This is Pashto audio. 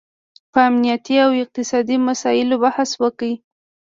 په امنیتي او اقتصادي مساییلو بحث وکړي